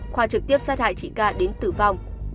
khoa trực tiếp sát hại chị ca đến tử vong